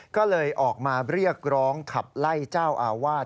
ก็เลยออกมาเรียกร้องขับไล่เจ้าอาวาส